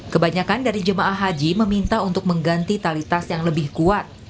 kebanyakan dari jemaah haji meminta untuk mengganti tali tas yang lebih kuat